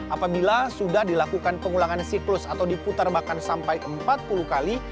apabila sudah dilakukan pengulangan siklus atau diputar makan sampai empat puluh kali